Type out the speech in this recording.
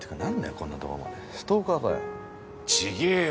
こんなとこまでストーカー違ぇよ